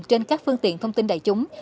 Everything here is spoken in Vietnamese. trên các phương tiện thông tin đại chúng